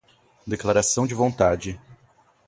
declaração de vontade